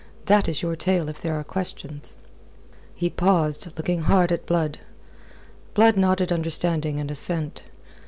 That is your tale if there are questions." He paused, looking hard at Blood. Blood nodded understanding and assent.